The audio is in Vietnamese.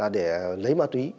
để lấy ma túy